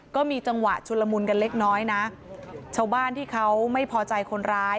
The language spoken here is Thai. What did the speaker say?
ก็มีจังหวะชุนละมุนกันเล็กน้อยนะชาวบ้านที่เขาไม่พอใจคนร้าย